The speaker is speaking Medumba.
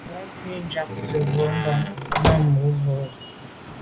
Mb’a’ ghù ju z’a ke’ bwô là Bam nà num mbwôge.